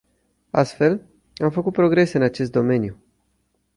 Astfel, am făcut progrese în acest domeniu.